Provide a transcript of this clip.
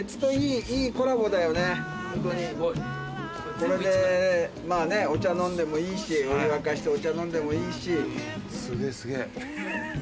これでまぁねお茶飲んでもいいしお湯沸かしてお茶飲んでもいいし。